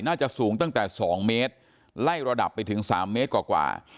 น่าจะสูงตั้งแต่๒เมตรไล่ระดับไปถึง๓เมตรกว่า